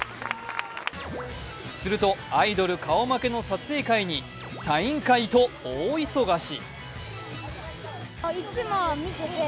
すると、アイドル顔負けの撮影会にサイン会と大忙し。